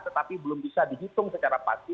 tetapi belum bisa dihitung secara pasti